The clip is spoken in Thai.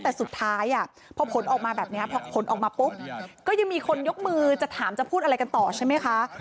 แต่สุดท้ายพอผลออกมาแบบนี้พอผลออกมาปุ๊บก็ยังมีคนยกมือจะถามจะพูดอะไรกันต่อใช่ไหมคะ